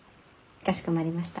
かしこまりました。